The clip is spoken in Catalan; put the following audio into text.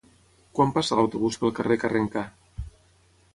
Quan passa l'autobús pel carrer Carrencà?